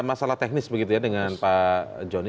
masalah teknis begitu ya dengan pak joni